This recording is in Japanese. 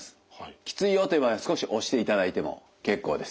きついよという場合は少し押していただいても結構です。